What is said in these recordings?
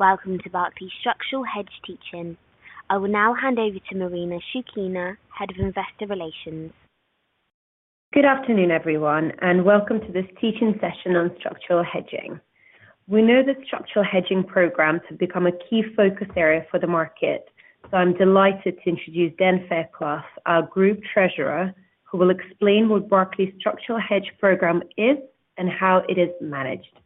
Welcome to Barclays Structural Hedge Teach-In. I will now hand over to Marina Shchukina, Head of Investor Relations. Good afternoon, everyone, and welcome to this teaching session on structural hedging. We know that structural hedging programs have become a key focus area for the market, so I'm delighted to introduce Dan Fairclough, our group treasurer, who will explain what Barclays Structural Hedge program is and how it is managed.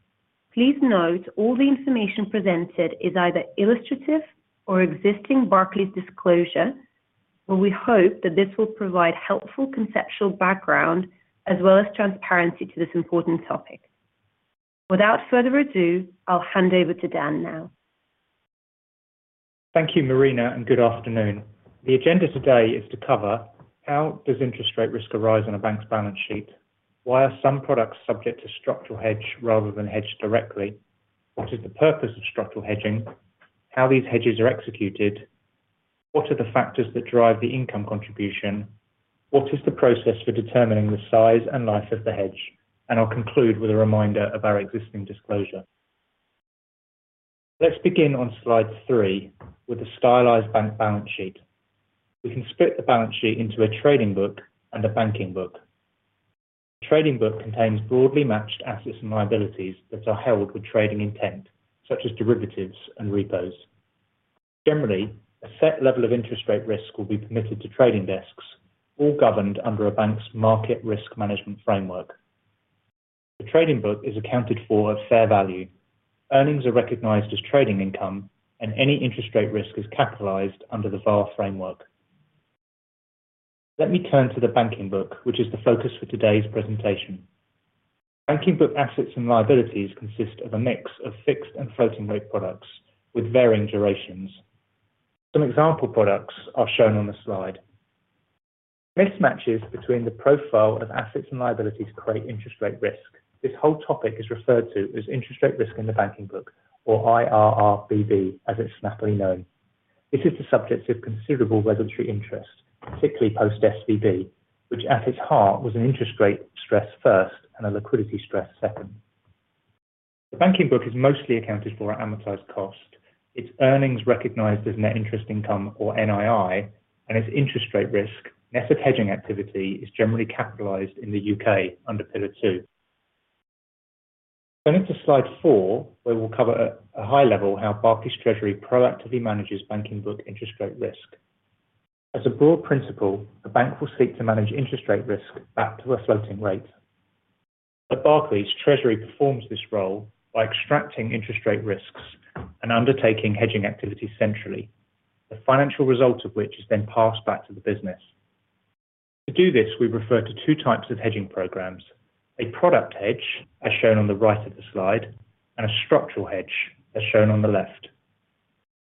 Please note, all the information presented is either illustrative or existing Barclays disclosure, but we hope that this will provide helpful conceptual background as well as transparency to this important topic. Without further ado, I'll hand over to Dan now. Thank you, Marina, and good afternoon. The agenda today is to cover: how does interest rate risk arise on a bank's balance sheet? Why are some products subject to structural hedge rather than hedged directly? What is the purpose of structural hedging? How these hedges are executed. What are the factors that drive the income contribution? What is the process for determining the size and life of the hedge? And I'll conclude with a reminder of our existing disclosure. Let's begin on slide 3 with a stylized bank balance sheet. We can split the balance sheet into a trading book and a banking book. Trading book contains broadly matched assets and liabilities that are held with trading intent, such as derivatives and repos. Generally, a set level of interest rate risk will be permitted to trading desks or governed under a bank's market risk management framework. The trading book is accounted for at fair value. Earnings are recognized as trading income, and any interest rate risk is capitalized under the VaR framework. Let me turn to the banking book, which is the focus for today's presentation. Banking book assets and liabilities consist of a mix of fixed and floating rate products with varying durations. Some example products are shown on the slide. Mismatches between the profile of assets and liabilities create interest rate risk. This whole topic is referred to as interest rate risk in the banking book, or IRRBB, as it's happily known. This is the subject of considerable regulatory interest, particularly post SVB, which at its heart, was an interest rate stress first and a liquidity stress second. The banking book is mostly accounted for at amortized cost. Its earnings recognized as net interest income, or NII, and its interest rate risk. Net of hedging activity is generally capitalized in the U.K. under Pillar Two. Going into slide four, where we'll cover at a high level how Barclays Treasury proactively manages banking book interest rate risk. As a broad principle, the bank will seek to manage interest rate risk back to a floating rate. At Barclays, treasury performs this role by extracting interest rate risks and undertaking hedging activity centrally, the financial result of which is then passed back to the business. To do this, we refer to two types of hedging programs: a product hedge, as shown on the right of the slide, and a structural hedge, as shown on the left.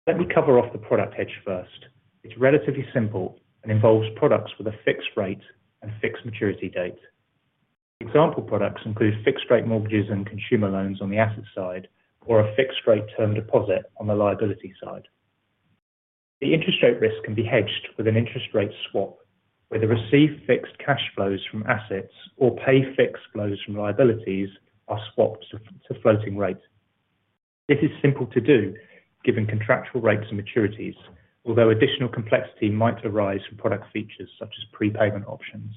Let me cover off the product hedge first. It's relatively simple and involves products with a fixed rate and fixed maturity date. Example, products include fixed rate mortgages and consumer loans on the asset side, or a fixed rate term deposit on the liability side. The interest rate risk can be hedged with an interest rate swap, where the received fixed cash flows from assets or pay fixed flows from liabilities are swapped to floating rate. This is simple to do given contractual rates and maturities, although additional complexity might arise from product features such as prepayment options.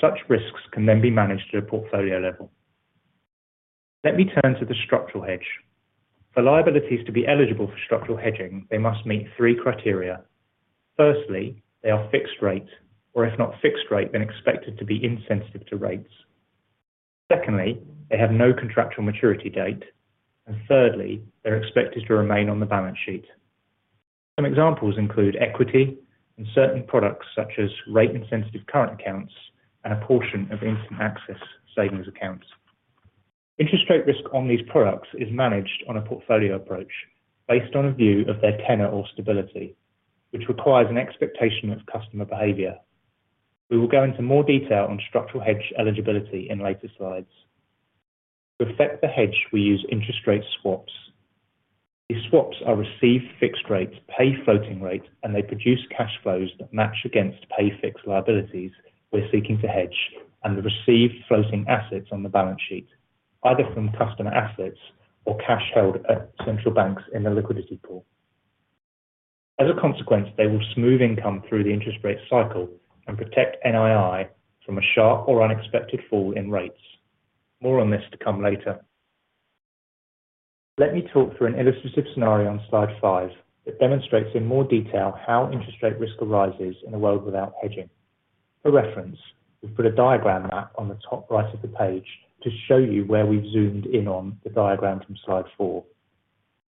Such risks can then be managed at a portfolio level. Let me turn to the structural hedge. For liabilities to be eligible for structural hedging, they must meet three criteria. Firstly, they are fixed rate, or if not fixed rate, then expected to be insensitive to rates. Secondly, they have no contractual maturity date. And thirdly, they're expected to remain on the balance sheet. Some examples include equity and certain products, such as rate-insensitive current accounts and a portion of instant access savings accounts. Interest rate risk on these products is managed on a portfolio approach based on a view of their tenure or stability, which requires an expectation of customer behavior. We will go into more detail on structural hedge eligibility in later slides. To effect the hedge, we use interest rate swaps. These swaps are received fixed rates, pay floating rate, and they produce cash flows that match against pay fixed liabilities we're seeking to hedge, and the received floating assets on the balance sheet, either from customer assets or cash held at central banks in the liquidity pool. As a consequence, they will smooth income through the interest rate cycle and protect NII from a sharp or unexpected fall in rates. More on this to come later. Let me talk through an illustrative scenario on slide 5 that demonstrates in more detail how interest rate risk arises in a world without hedging. For reference, we've put a diagram map on the top right of the page to show you where we've zoomed in on the diagram from slide 4.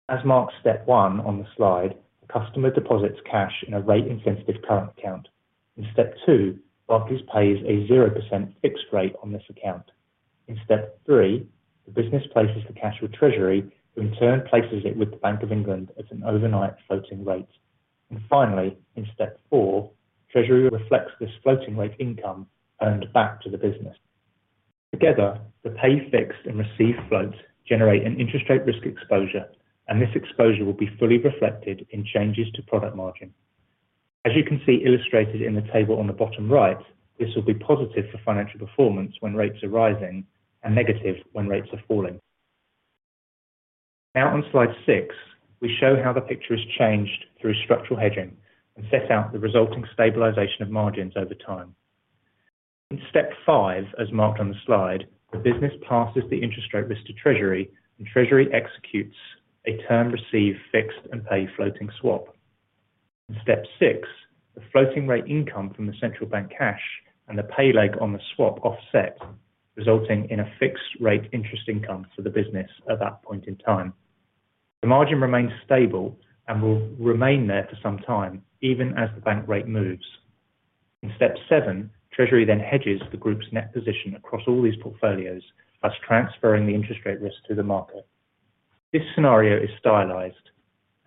As marked step 1 on the slide, the customer deposits cash in a rate-insensitive current account. In step 2, Barclays pays a 0% fixed rate on this account. In step 3, the business places the cash with Treasury, who in turn places it with the Bank of England as an overnight floating rate. Finally, in step 4, Treasury reflects this floating rate income earned back to the business. Together, the pay fixed and received floats generate an interest rate risk exposure, and this exposure will be fully reflected in changes to product margin. As you can see illustrated in the table on the bottom right, this will be positive for financial performance when rates are rising and negative when rates are falling. Now on slide 6, we show how the picture has changed through structural hedging and set out the resulting stabilization of margins over time. In step 5, as marked on the slide, the business passes the interest rate risk to Treasury, and Treasury executes a term receive fixed and pay floating swap. In step 6, the floating rate income from the central bank cash and the pay leg on the swap offset, resulting in a fixed rate interest income for the business at that point in time. The margin remains stable and will remain there for some time, even as the bank rate moves. In step seven, Treasury then hedges the group's net position across all these portfolios, thus transferring the interest rate risk to the market. This scenario is stylized,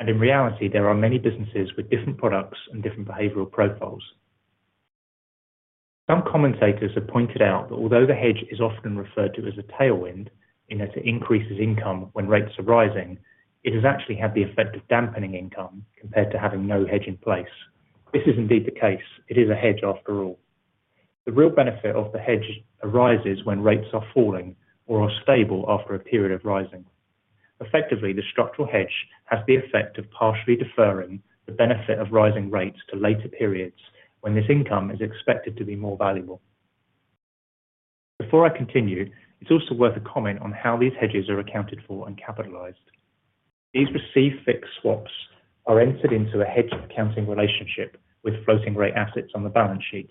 and in reality, there are many businesses with different products and different behavioral profiles. Some commentators have pointed out that although the hedge is often referred to as a tailwind, in that it increases income when rates are rising, it has actually had the effect of dampening income compared to having no hedge in place. This is indeed the case. It is a hedge after all. The real benefit of the hedge arises when rates are falling or are stable after a period of rising. Effectively, the structural hedge has the effect of partially deferring the benefit of rising rates to later periods when this income is expected to be more valuable. Before I continue, it's also worth a comment on how these hedges are accounted for and capitalized. These received fixed swaps are entered into a hedge accounting relationship with floating rate assets on the balance sheet,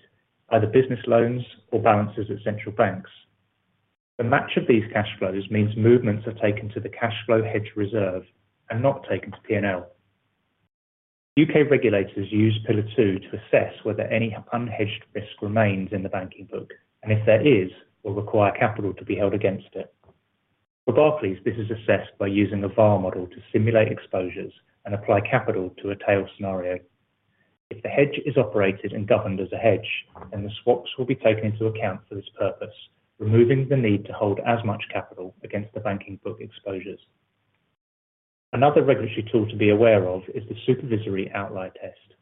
either business loans or balances at central banks. The match of these cash flows means movements are taken to the cash flow hedge reserve and not taken to P&L. U.K. regulators use Pillar Two to assess whether any unhedged risk remains in the banking book, and if there is, will require capital to be held against it. For Barclays, this is assessed by using a VaR model to simulate exposures and apply capital to a tail scenario. If the hedge is operated and governed as a hedge, then the swaps will be taken into account for this purpose, removing the need to hold as much capital against the banking book exposures. Another regulatory tool to be aware of is the Supervisory Outlier Test.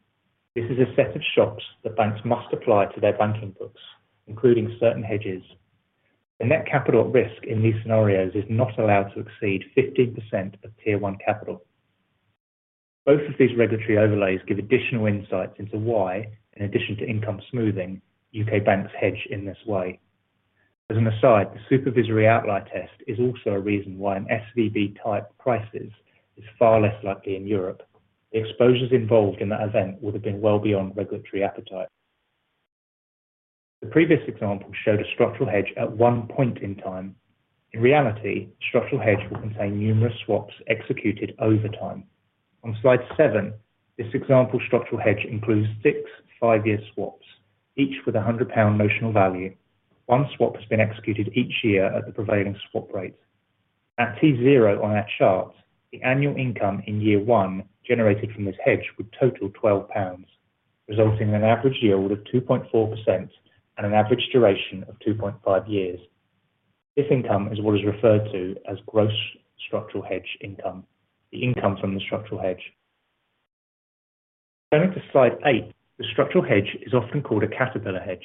This is a set of shocks that banks must apply to their banking books, including certain hedges. The net capital at risk in these scenarios is not allowed to exceed 50% of Tier 1 capital. Both of these regulatory overlays give additional insights into why, in addition to income smoothing, U.K. banks hedge in this way. As an aside, the Supervisory Outlier Test is also a reason why an SVB-type crisis is far less likely in Europe. The exposures involved in that event would have been well beyond regulatory appetite. The previous example showed a structural hedge at one point in time. In reality, structural hedge will contain numerous swaps executed over time. On slide 7, this example, structural hedge, includes 6 5-year swaps, each with a 100 pound notional value. One swap has been executed each year at the prevailing swap rate. At T 0 on that chart, the annual income in year 1 generated from this hedge would total 12 pounds, resulting in an average yield of 2.4% and an average duration of 2.5 years. This income is what is referred to as gross structural hedge income, the income from the structural hedge. Going to slide 8, the structural hedge is often called a caterpillar hedge.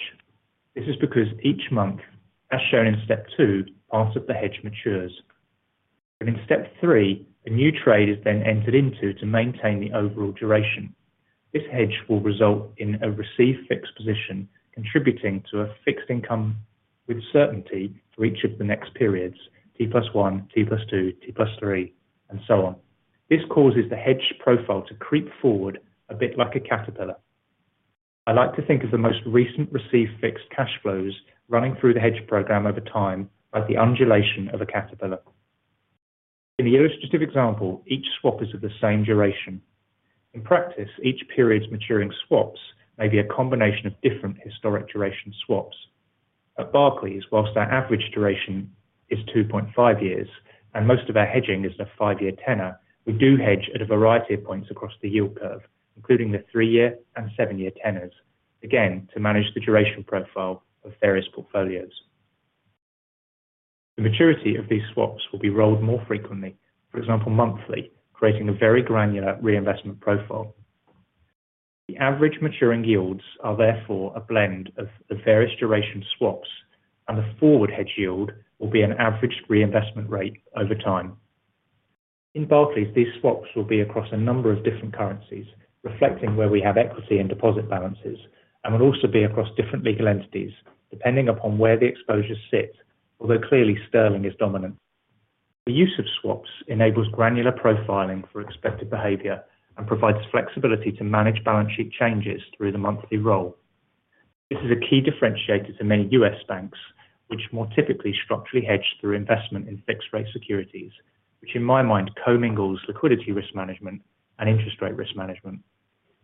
This is because each month, as shown in step two, part of the hedge matures. In step three, a new trade is then entered into to maintain the overall duration. This hedge will result in a received fixed position, contributing to a fixed income with certainty for each of the next periods, T plus one, T plus two, T plus three, and so on. This causes the hedge profile to creep forward a bit like a caterpillar. I like to think of the most recent received fixed cash flows running through the hedge program over time as the undulation of a caterpillar. In the illustrative example, each swap is of the same duration. In practice, each period's maturing swaps may be a combination of different historic duration swaps. At Barclays, whilst our average duration is 2.5 years, and most of our hedging is a 5-year tenor, we do hedge at a variety of points across the yield curve, including the 3-year and 7-year tenors, again, to manage the duration profile of various portfolios. The maturity of these swaps will be rolled more frequently, for example, monthly, creating a very granular reinvestment profile. The average maturing yields are therefore a blend of the various duration swaps, and the forward hedge yield will be an averaged reinvestment rate over time. In Barclays, these swaps will be across a number of different currencies, reflecting where we have equity and deposit balances, and will also be across different legal entities, depending upon where the exposures sit, although clearly sterling is dominant. The use of swaps enables granular profiling for expected behavior and provides flexibility to manage balance sheet changes through the monthly roll. This is a key differentiator to many U.S. banks, which more typically structurally hedged through investment in fixed rate securities, which in my mind, co-mingles liquidity risk management and interest rate risk management.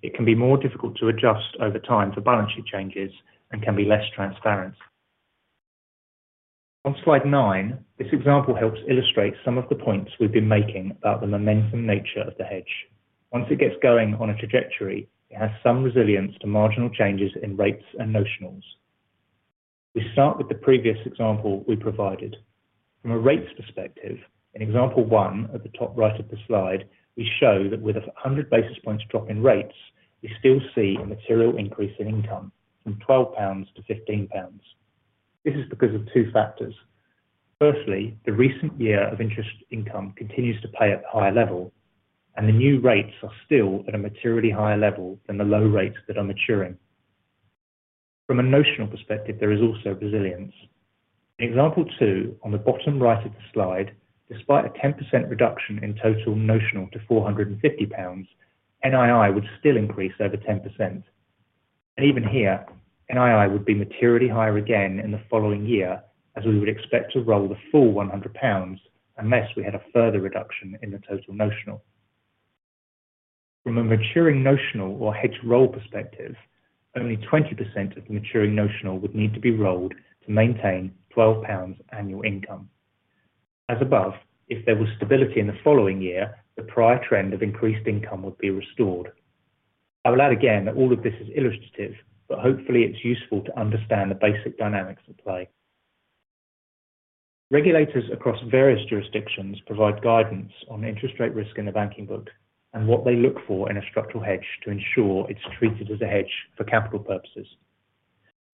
It can be more difficult to adjust over time to balance sheet changes and can be less transparent. On slide 9, this example helps illustrate some of the points we've been making about the momentum nature of the hedge. Once it gets going on a trajectory, it has some resilience to marginal changes in rates and notionals.... We start with the previous example we provided. From a rates perspective, in example 1 at the top right of the slide, we show that with a 100 basis points drop in rates, we still see a material increase in income from 12 pounds to 15 pounds. This is because of two factors: firstly, the recent year of interest income continues to pay at the higher level, and the new rates are still at a materially higher level than the low rates that are maturing. From a notional perspective, there is also resilience. In example two, on the bottom right of the slide, despite a 10% reduction in total notional to 450 pounds, NII would still increase over 10%. Even here, NII would be materially higher again in the following year, as we would expect to roll the full 100 pounds, unless we had a further reduction in the total notional. From a maturing notional or hedge roll perspective, only 20% of the maturing notional would need to be rolled to maintain 12 pounds annual income. As above, if there was stability in the following year, the prior trend of increased income would be restored. I will add again that all of this is illustrative, but hopefully it's useful to understand the basic dynamics at play. Regulators across various jurisdictions provide guidance on interest rate risk in the banking book and what they look for in a structural hedge to ensure it's treated as a hedge for capital purposes.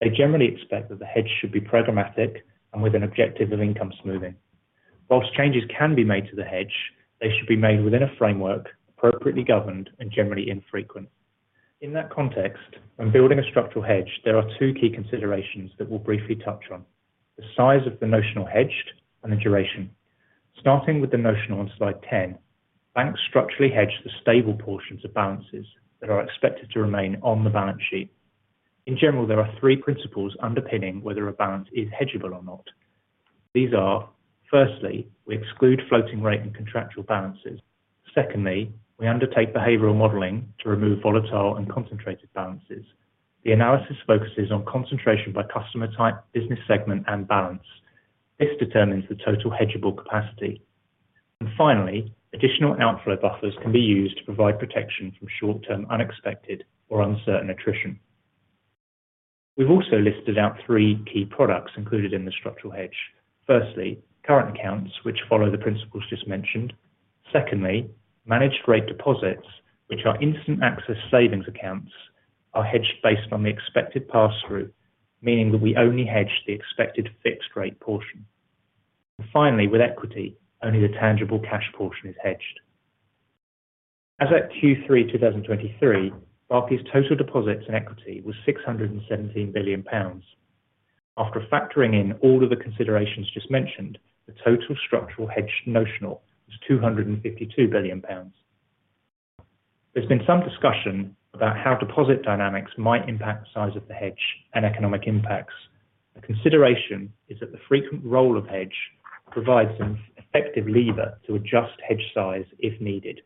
They generally expect that the hedge should be programmatic and with an objective of income smoothing. While changes can be made to the hedge, they should be made within a framework, appropriately governed, and generally infrequent. In that context, when building a structural hedge, there are two key considerations that we'll briefly touch on: the size of the notional hedged and the duration. Starting with the notional on slide 10, banks structurally hedge the stable portions of balances that are expected to remain on the balance sheet. In general, there are three principles underpinning whether a balance is hedgeable or not. These are: firstly, we exclude floating rate and contractual balances. Secondly, we undertake behavioral modeling to remove volatile and concentrated balances. The analysis focuses on concentration by customer type, business segment, and balance. This determines the total hedgeable capacity. And finally, additional outflow buffers can be used to provide protection from short-term, unexpected, or uncertain attrition. We've also listed out three key products included in the structural hedge. Firstly, current accounts, which follow the principles just mentioned. Secondly, managed rate deposits, which are instant access savings accounts, are hedged based on the expected pass-through, meaning that we only hedge the expected fixed rate portion. Finally, with equity, only the tangible cash portion is hedged. As at Q3 2023, Barclays' total deposits and equity was 617 billion pounds. After factoring in all of the considerations just mentioned, the total structural hedge notional was 252 billion pounds. There's been some discussion about how deposit dynamics might impact the size of the hedge and economic impacts. The consideration is that the frequent roll of hedge provides an effective lever to adjust hedge size if needed.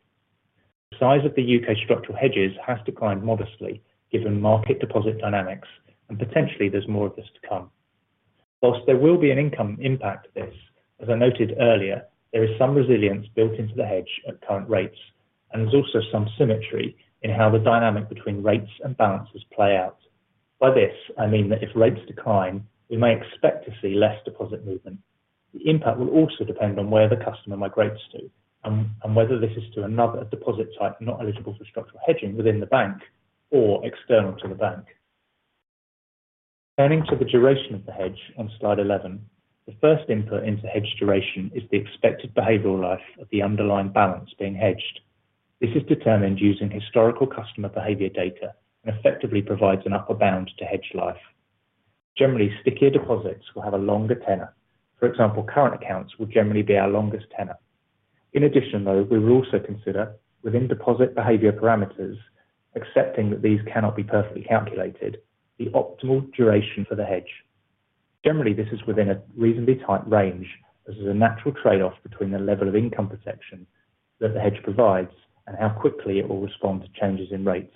The size of the U.K. structural hedges has declined modestly, given market deposit dynamics, and potentially there's more of this to come. While there will be an income impact to this, as I noted earlier, there is some resilience built into the hedge at current rates, and there's also some symmetry in how the dynamic between rates and balances play out. By this, I mean that if rates decline, we may expect to see less deposit movement. The impact will also depend on where the customer migrates to, and whether this is to another deposit type not eligible for structural hedging within the bank or external to the bank. Turning to the duration of the hedge on slide 11, the first input into hedge duration is the expected behavioral life of the underlying balance being hedged. This is determined using historical customer behavior data and effectively provides an upper bound to hedge life. Generally, stickier deposits will have a longer tenor. For example, current accounts will generally be our longest tenor. In addition, though, we will also consider within deposit behavior parameters, accepting that these cannot be perfectly calculated, the optimal duration for the hedge. Generally, this is within a reasonably tight range, as there's a natural trade-off between the level of income protection that the hedge provides and how quickly it will respond to changes in rates.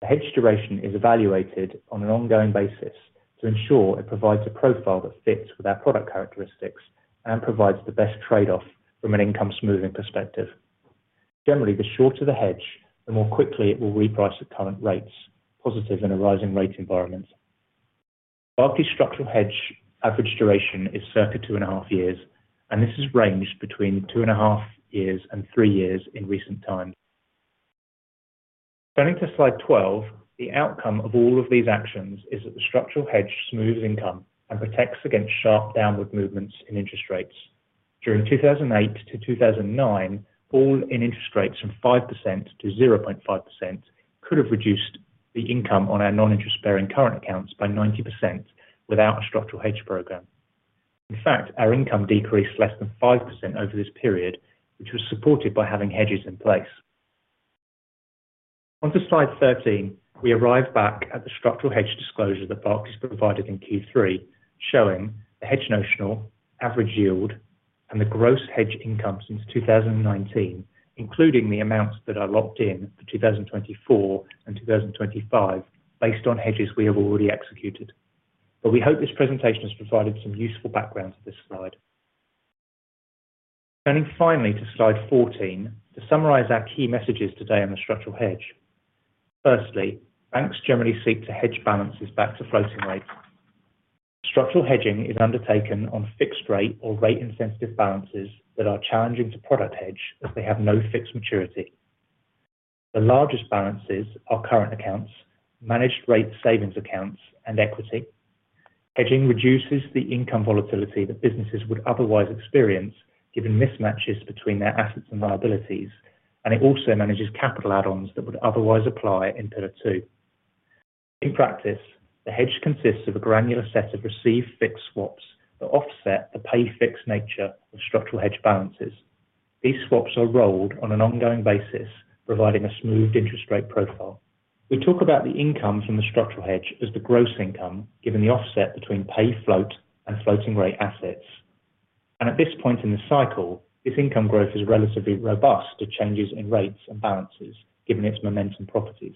The hedge duration is evaluated on an ongoing basis to ensure it provides a profile that fits with our product characteristics and provides the best trade-off from an income smoothing perspective. Generally, the shorter the hedge, the more quickly it will reprice at current rates, positive in a rising rate environment. Barclays structural hedge average duration is circa 2.5 years, and this has ranged between 2.5 years and 3 years in recent times. Turning to slide 12, the outcome of all of these actions is that the structural hedge smooths income and protects against sharp downward movements in interest rates. During 2008-2009, fall in interest rates from 5% to 0.5% could have reduced the income on our non-interest bearing current accounts by 90% without a structural hedge program. In fact, our income decreased less than 5% over this period, which was supported by having hedges in place. Onto slide 13, we arrive back at the structural hedge disclosure that Barclays provided in Q3, showing the hedge notional, average yield, and the gross hedge income since 2019, including the amounts that are locked in for 2024 and 2025, based on hedges we have already executed. But we hope this presentation has provided some useful background to this slide... Turning finally to slide 14, to summarize our key messages today on the structural hedge. Firstly, banks generally seek to hedge balances back to floating rate. Structural hedging is undertaken on fixed rate or rate-insensitive balances that are challenging to product hedge, as they have no fixed maturity. The largest balances are current accounts, managed rate savings accounts, and equity. Hedging reduces the income volatility that businesses would otherwise experience, given mismatches between their assets and liabilities, and it also manages capital add-ons that would otherwise apply in Pillar Two. In practice, the hedge consists of a granular set of received fixed swaps that offset the pay fixed nature of structural hedge balances. These swaps are rolled on an ongoing basis, providing a smoothed interest rate profile. We talk about the income from the structural hedge as the gross income, given the offset between pay float and floating rate assets. At this point in the cycle, this income growth is relatively robust to changes in rates and balances, given its momentum properties.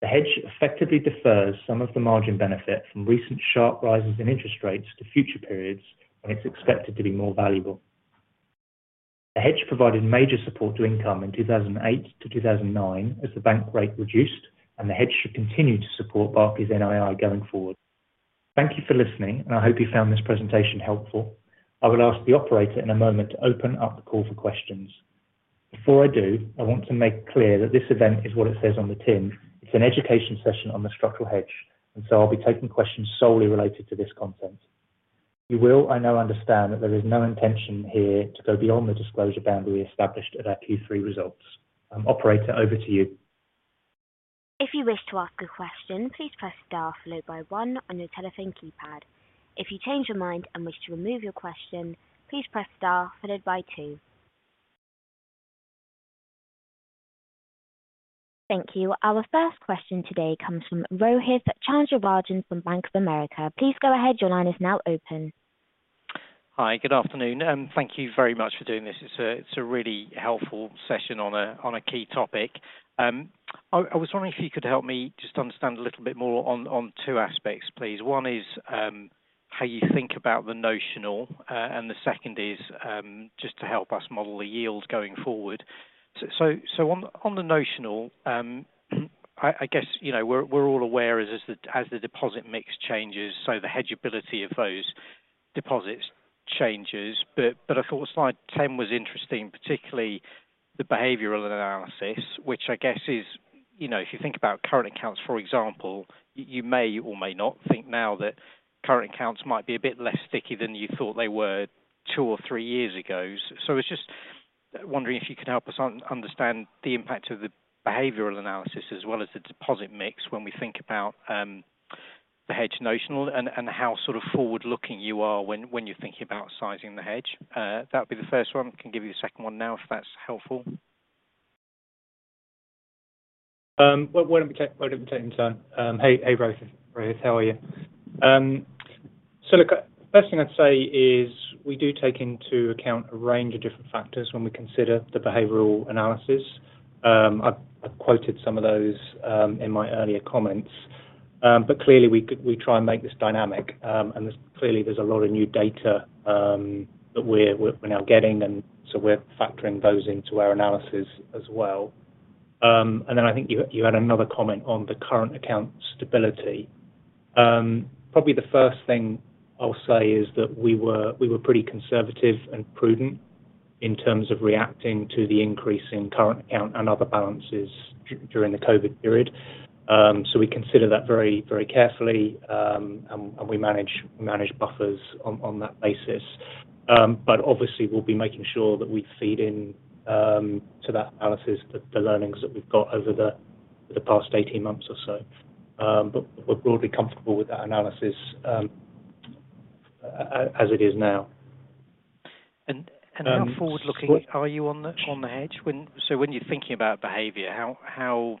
The hedge effectively defers some of the margin benefit from recent sharp rises in interest rates to future periods, when it's expected to be more valuable. The hedge provided major support to income in 2008 to 2009, as the bank rate reduced, and the hedge should continue to support Barclays NII going forward. Thank you for listening, and I hope you found this presentation helpful. I will ask the operator in a moment to open up the call for questions. Before I do, I want to make clear that this event is what it says on the tin. It's an education session on the structural hedge, and so I'll be taking questions solely related to this content. You will, I know, understand that there is no intention here to go beyond the disclosure boundary established at our Q3 results. Operator, over to you. If you wish to ask a question, please press star followed by one on your telephone keypad. If you change your mind and wish to remove your question, please press star followed by two. Thank you. Our first question today comes from Rohith Chandra-Rajan from Bank of America. Please go ahead. Your line is now open. Hi, good afternoon, and thank you very much for doing this. It's a really helpful session on a key topic. I was wondering if you could help me just understand a little bit more on two aspects, please. One is how you think about the notional, and the second is just to help us model the yield going forward. So on the notional, I guess, you know, we're all aware as the deposit mix changes, so the hedgability of those deposits changes. But I thought slide ten was interesting, particularly the behavioral analysis, which I guess is, you know, if you think about current accounts, for example, you may or may not think now that current accounts might be a bit less sticky than you thought they were two or three years ago. So I was just wondering if you could help us understand the impact of the behavioral analysis as well as the deposit mix when we think about the hedge notional and how sort of forward-looking you are when you're thinking about sizing the hedge. That would be the first one. Can give you the second one now, if that's helpful. Well, why don't we take them in turn? Hey, Rohit. Rohit, how are you? So look, first thing I'd say is we do take into account a range of different factors when we consider the behavioral analysis. I've quoted some of those in my earlier comments. But clearly we try and make this dynamic. And there's clearly a lot of new data that we're now getting, and so we're factoring those into our analysis as well. And then I think you had another comment on the current account stability. Probably the first thing I'll say is that we were pretty conservative and prudent in terms of reacting to the increase in current account and other balances during the COVID period. So we consider that very, very carefully, and we manage buffers on that basis. But obviously we'll be making sure that we feed in to that analysis that the learnings that we've got over the past 18 months or so. But we're broadly comfortable with that analysis as it is now. How forward-looking- Um, w- Are you on the hedge? When... so when you're thinking about behavior, how...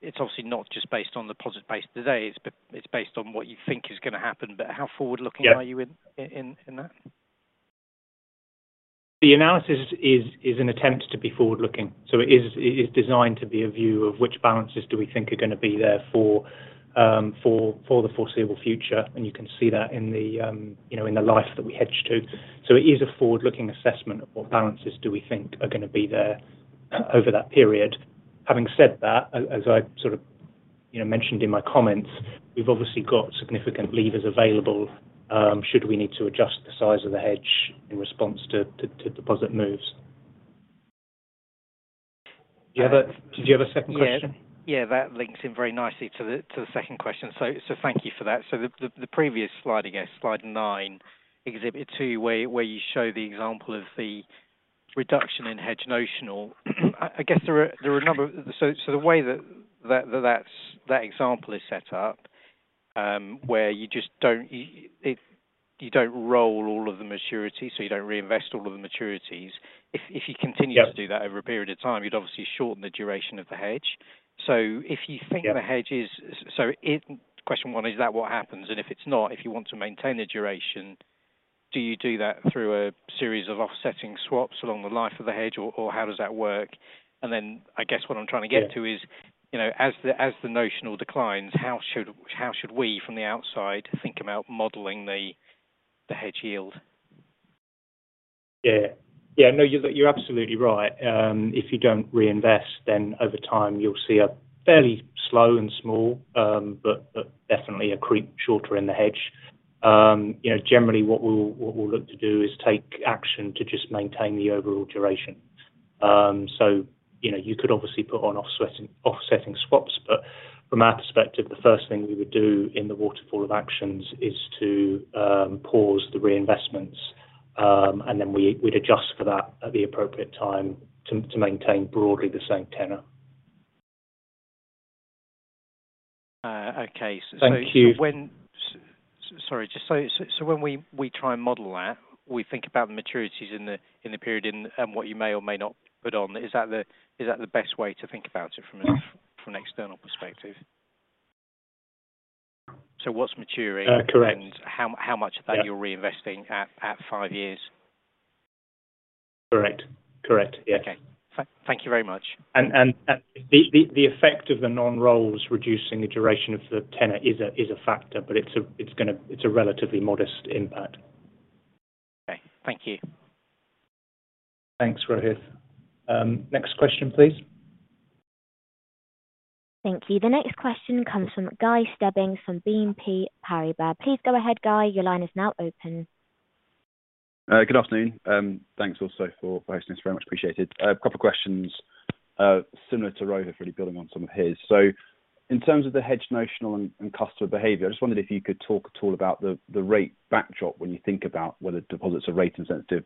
it's obviously not just based on deposit base today, it's based on what you think is gonna happen, but how forward-looking- Yeah Are you in that? The analysis is an attempt to be forward-looking. So it is designed to be a view of which balances do we think are gonna be there for, for the foreseeable future, and you can see that in the, you know, in the life that we hedge to. So it is a forward-looking assessment of what balances do we think are gonna be there over that period. Having said that, as I sort of, you know, mentioned in my comments, we've obviously got significant levers available should we need to adjust the size of the hedge in response to, to, to deposit moves. Do you have a... Did you have a second question? Yeah. Yeah, that links in very nicely to the second question, so thank you for that. So the previous slide, I guess, slide 9, exhibit 2, where you show the example of the reduction in hedge notional. I guess there are a number of... So the way that that example is set up, where you just don't you don't roll all of the maturity, so you don't reinvest all of the maturities. If you continue- Yeah to do that over a period of time, you'd obviously shorten the duration of the hedge. So if you think- Yeah of a hedge is... So it... Question one, is that what happens? And if it's not, if you want to maintain the duration, do you do that through a series of offsetting swaps along the life of the hedge, or, or how does that work? And then I guess what I'm trying to get to is- Yeah You know, as the notional declines, how should we, from the outside, think about modeling the hedge yield?... Yeah. Yeah, no, you're, you're absolutely right. If you don't reinvest, then over time, you'll see a fairly slow and small, but, but definitely a creep shorter in the hedge. You know, generally, what we'll, what we'll look to do is take action to just maintain the overall duration. So, you know, you could obviously put on offsetting, offsetting swaps, but from our perspective, the first thing we would do in the waterfall of actions is to pause the reinvestments. And then we, we'd adjust for that at the appropriate time to, to maintain broadly the same tenor. Uh, okay. Thank you. Sorry, so when we try and model that, we think about the maturities in the period and what you may or may not put on. Is that the best way to think about it from an- Yeah... from an external perspective? So what's maturing- Uh, correct. And how much of that- Yeah... you're reinvesting at five years? Correct. Correct, yes. Okay. Thank you very much. And the effect of the non-rolls reducing the duration of the tenor is a factor, but it's gonna... it's a relatively modest impact. Okay. Thank you. Thanks, Rohith. Next question, please. Thank you. The next question comes from Guy Stebbings from BNP Paribas. Please go ahead, Guy. Your line is now open. Good afternoon, thanks also for hosting this, very much appreciated. A couple questions, similar to Rohith, really building on some of his. So in terms of the hedge notional and customer behavior, I just wondered if you could talk at all about the rate backdrop when you think about whether deposits are rate insensitive.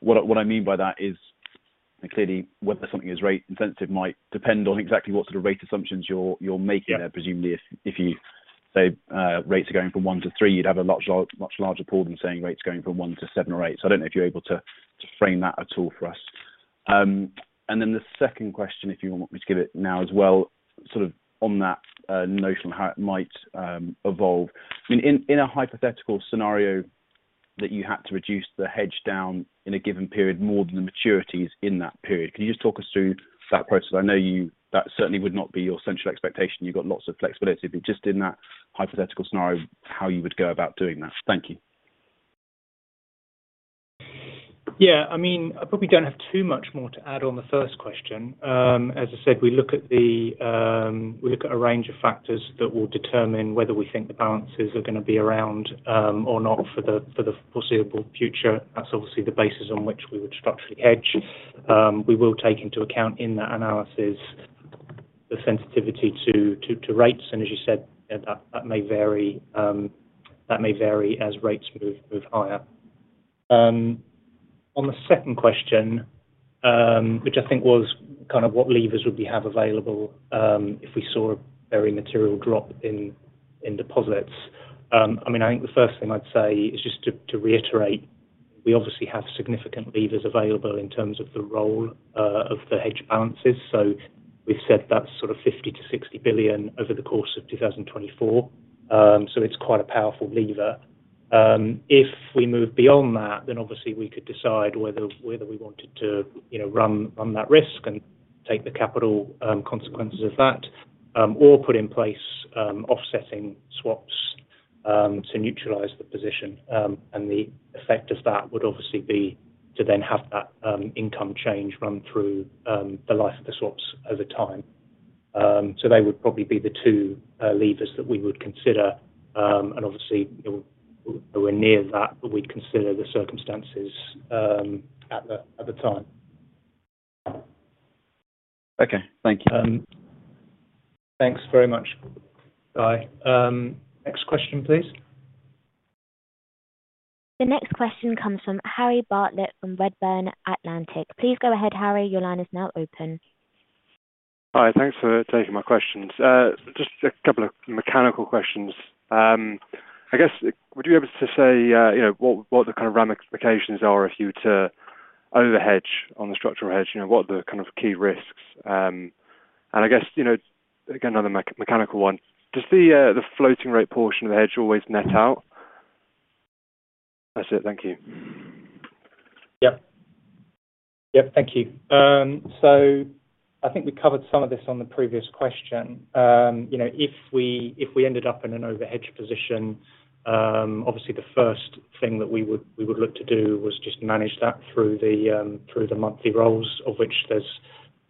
What I mean by that is, and clearly, whether something is rate insensitive might depend on exactly what sort of rate assumptions you're making there. Yeah. Presumably, if you say rates are going from 1-3, you'd have a much larger pool than saying rates going from 1-7 or 8. So I don't know if you're able to frame that at all for us. And then the second question, if you want me to give it now as well, sort of on that notion of how it might evolve. I mean, in a hypothetical scenario that you had to reduce the hedge down in a given period more than the maturities in that period, can you just talk us through that process? I know you, that certainly would not be your central expectation. You've got lots of flexibility, but just in that hypothetical scenario, how you would go about doing that. Thank you. Yeah, I mean, I probably don't have too much more to add on the first question. As I said, we look at a range of factors that will determine whether we think the balances are gonna be around or not for the foreseeable future. That's obviously the basis on which we would structurally hedge. We will take into account in that analysis the sensitivity to rates, and as you said, that may vary as rates move higher. On the second question, which I think was kind of what levers would we have available if we saw a very material drop in deposits. I mean, I think the first thing I'd say is just to reiterate, we obviously have significant levers available in terms of the role of the hedge balances. So we've said that's sort of 50 billion-60 billion over the course of 2024, so it's quite a powerful lever. If we move beyond that, then obviously we could decide whether we wanted to, you know, run that risk and take the capital consequences of that, or put in place offsetting swaps to neutralize the position. And the effect of that would obviously be to then have that income change run through the life of the swaps over time. So they would probably be the two levers that we would consider. And obviously, if we're near that, we'd consider the circumstances at the time. Okay, thank you. Um- Thanks very much, Guy. Next question, please. The next question comes from Harry Bartlett from Redburn Atlantic. Please go ahead, Harry. Your line is now open. Hi, thanks for taking my questions. Just a couple of mechanical questions. I guess, would you be able to say, you know, what the kind of ramifications are if you were to overhedge on the structural hedge? You know, what are the kind of key risks. And I guess, you know, again, another mechanical one: Does the floating rate portion of the hedge always net out? That's it. Thank you. Yeah. Yep, thank you. So I think we covered some of this on the previous question. You know, if we, if we ended up in an overhedge position, obviously the first thing that we would, we would look to do was just manage that through the, through the monthly rolls, of which there's,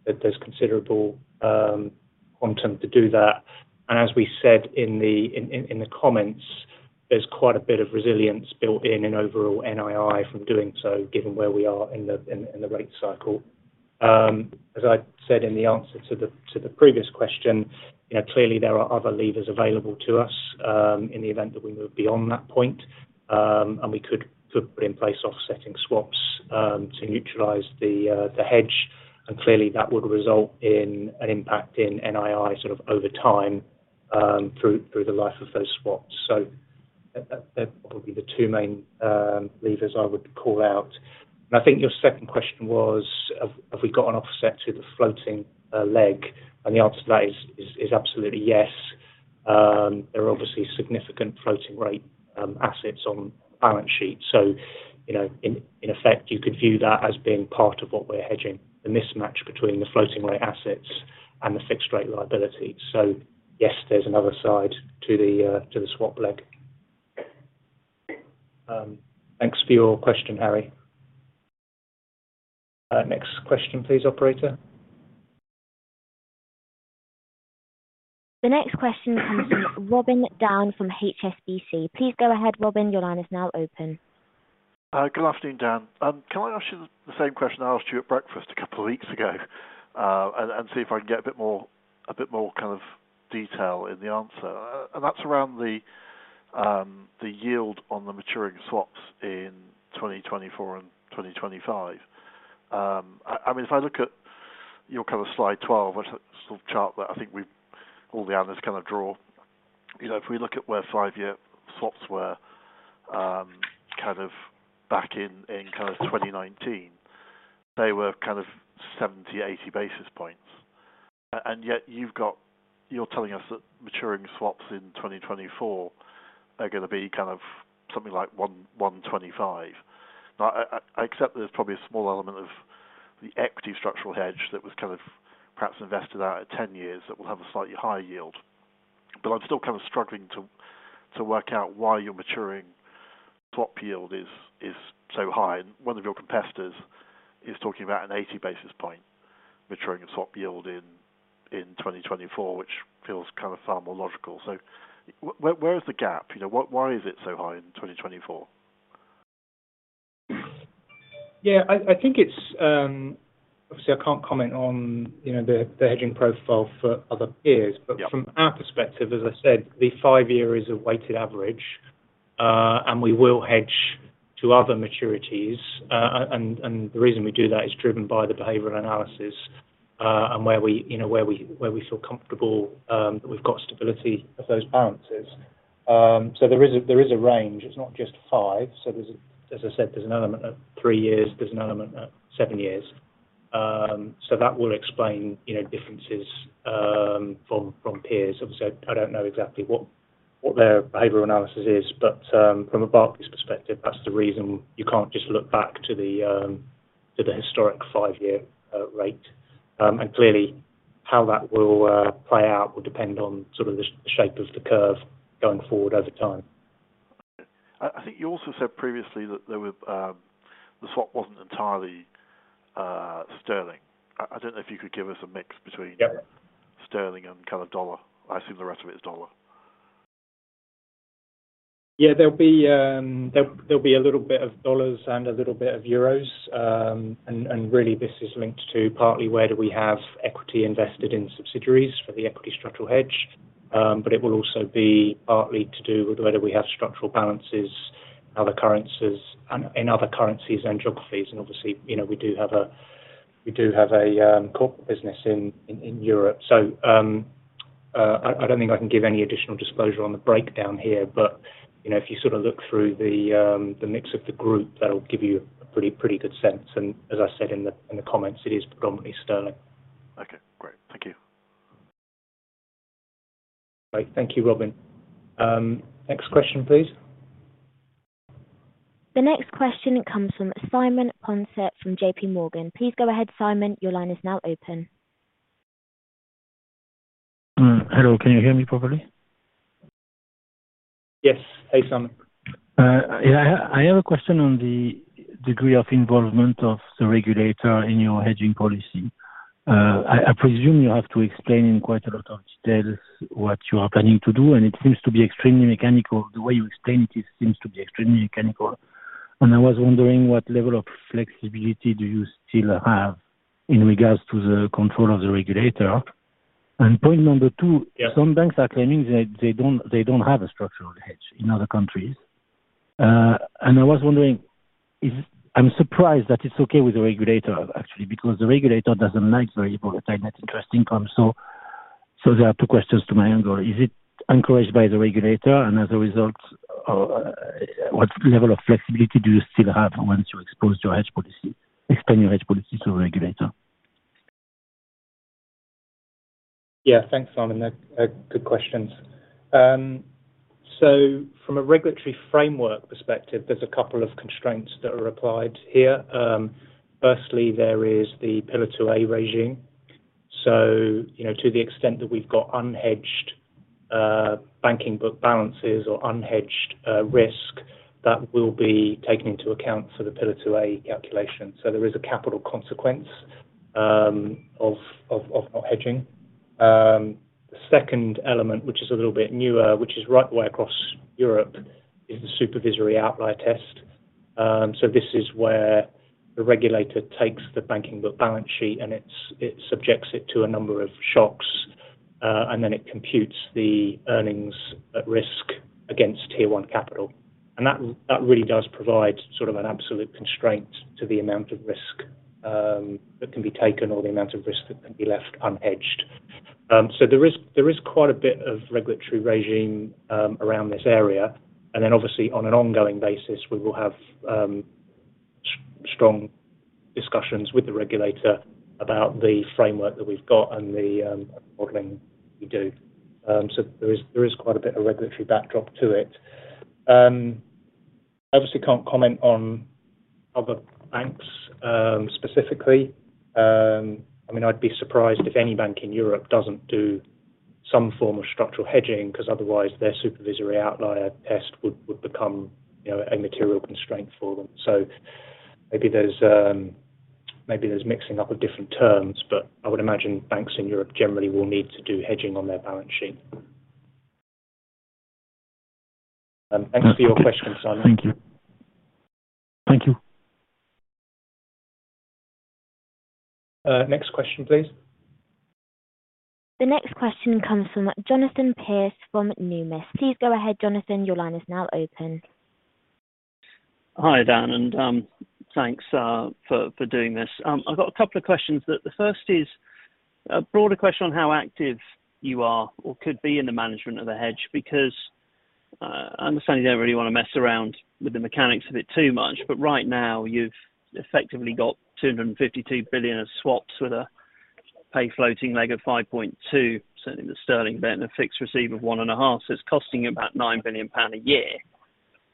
there's considerable quantum to do that. And as we said in the comments, there's quite a bit of resilience built in overall NII from doing so, given where we are in the rate cycle. As I said in the answer to the previous question, you know, clearly there are other levers available to us, in the event that we move beyond that point. And we could, could put in place offsetting swaps, to neutralize the hedge. And clearly, that would result in an impact in NII sort of over time, through the life of those swaps. So that would be the two main levers I would call out. And I think your second question was, have we got an offset to the floating leg? And the answer to that is absolutely yes. There are obviously significant floating rate assets on balance sheet. So, you know, in effect, you could view that as being part of what we're hedging, the mismatch between the floating rate assets and the fixed rate liability. So yes, there's another side to the swap leg. Thanks for your question, Harry. Next question please, operator. The next question comes from Robin Down from HSBC. Please go ahead, Robin. Your line is now open. Good afternoon, Dan. Can I ask you the same question I asked you at breakfast a couple of weeks ago, and see if I can get a bit more, a bit more kind of detail in the answer? And that's around the yield on the maturing swaps in 2024 and 2025. I mean, if I look at your kind of slide 12, which sort of chart that I think we've all the others kind of draw. You know, if we look at where five-year swaps were, kind of back in, in kind of 2019, they were kind of 70-80 basis points. And yet you've got—you're telling us that maturing swaps in 2024 are gonna be kind of something like 110-125. Now, I accept there's probably a small element of the equity structural hedge that was kind of perhaps invested out at 10 years, that will have a slightly higher yield. But I'm still kind of struggling to work out why your maturing swap yield is so high. And one of your competitors is talking about an 80 basis point maturing of swap yield in 2024, which feels kind of far more logical. So where is the gap? You know, what, why is it so high in 2024? Yeah, I think it's... Obviously, I can't comment on, you know, the hedging profile for other peers. Yeah. But from our perspective, as I said, the five-year is a weighted average, and we will hedge to other maturities. And the reason we do that is driven by the behavioral analysis, and where we, you know, where we feel comfortable, that we've got stability of those balances. So there is a range. It's not just five. So there's a... As I said, there's an element of three years, there's an element of seven years. So that will explain, you know, differences, from peers. Obviously, I don't know exactly what their behavioral analysis is, but, from a Barclays perspective, that's the reason you can't just look back to the historic five-year rate. Clearly, how that will play out will depend on sort of the shape of the curve going forward over time. I think you also said previously that there were the swap wasn't entirely sterling. I don't know if you could give us a mix between- Yeah... sterling and kind of dollar. I assume the rest of it is dollar. Yeah, there'll be a little bit of dollars and a little bit of euros. And really, this is linked to partly where we have equity invested in subsidiaries for the equity structural hedge. But it will also be partly to do with whether we have structural balances, other currencies, in other currencies and geographies. And obviously, you know, we have a corporate business in Europe. So, I don't think I can give any additional disclosure on the breakdown here. But, you know, if you sort of look through the mix of the group, that'll give you a pretty good sense. And as I said in the comments, it is predominantly sterling. Okay, great. Thank you. All right. Thank you, Robin. Next question, please. The next question comes from Simon Ponset from JPMorgan. Please go ahead, Simon, your line is now open. Hello, can you hear me properly? Yes. Hey, Simon. Yeah, I have a question on the degree of involvement of the regulator in your hedging policy. I presume you have to explain in quite a lot of detail what you are planning to do, and it seems to be extremely mechanical. The way you explain it, it seems to be extremely mechanical. And I was wondering what level of flexibility do you still have in regards to the control of the regulator? And point number two- Yeah. Some banks are claiming they don't have a structural hedge in other countries. And I was wondering, is—I'm surprised that it's okay with the regulator, actually, because the regulator doesn't like variable net interest income. So there are two questions to my angle. Is it encouraged by the regulator, and as a result, what level of flexibility do you still have once you expose your hedge policy, explain your hedge policy to the regulator? Yeah, thanks, Simon. They're good questions. So from a regulatory framework perspective, there's a couple of constraints that are applied here. Firstly, there is the Pillar 2A regime. So, you know, to the extent that we've got unhedged banking book balances or unhedged risk, that will be taken into account for the Pillar 2A calculation. So there is a capital consequence of not hedging. The second element, which is a little bit newer, which is right the way across Europe, is the Supervisory Outlier Test. So this is where the regulator takes the banking book balance sheet and it subjects it to a number of shocks, and then it computes the earnings at risk against Tier 1 capital. That, that really does provide sort of an absolute constraint to the amount of risk that can be taken or the amount of risk that can be left unhedged. So there is, there is quite a bit of regulatory regime around this area. And then obviously on an ongoing basis, we will have strong discussions with the regulator about the framework that we've got and the modeling we do. So there is, there is quite a bit of regulatory backdrop to it. I obviously can't comment on other banks specifically. I mean, I'd be surprised if any bank in Europe doesn't do some form of structural hedging, 'cause otherwise their Supervisory Outlier Test would, would become, you know, a material constraint for them. So maybe there's mixing up of different terms, but I would imagine banks in Europe generally will need to do hedging on their balance sheet. Thanks for your question, Simon. Thank you. Thank you. Next question, please. The next question comes from Jonathan Pierce from Numis. Please go ahead, Jonathan, your line is now open. Hi, Dan, and thanks for doing this. I've got a couple of questions, the first is a broader question on how active you are or could be in the management of the hedge. Because I understand you don't really wanna mess around with the mechanics of it too much, but right now, you've effectively got 252 billion of swaps with a pay floating leg of 5.2%, certainly the sterling leg, and a fixed receive of 1.5%. So it's costing you about 9 billion pound a year.